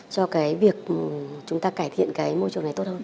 cho cái việc chúng ta cải thiện cái môi trường này tốt hơn